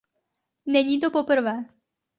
Není to poprvé.